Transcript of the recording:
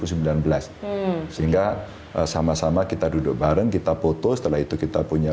menjelang pilpres dua ribu sembilan belas sehingga sama sama kita duduk bareng kita foto setelah itu kita punya